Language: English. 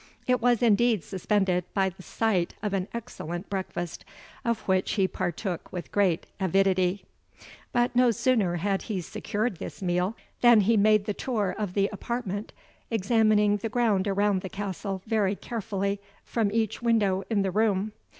It was indeed suspended by the sight of an excellent breakfast, of which he partook with great avidity; but no sooner had he secured this meal, than he made the tour of the apartment, examining the ground around the Castle very carefully from each window in the room.